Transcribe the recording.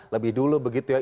lebih dulu begitu ya